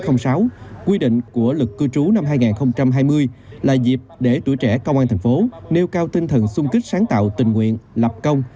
đối với quy định của lực cư trú năm hai nghìn hai mươi là dịp để tuổi trẻ công an thành phố nêu cao tinh thần xung kích sáng tạo tình nguyện lập công